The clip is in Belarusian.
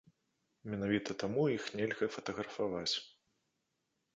Менавіта таму іх нельга фатаграфаваць.